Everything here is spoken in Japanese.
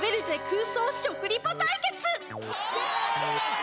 空想食リポ対決」！